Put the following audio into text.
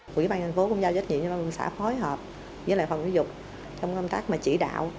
quỹ ban thành phố cũng giao trách nhiệm cho ban xã phối hợp với lại phòng giáo dục trong công tác mà chỉ đạo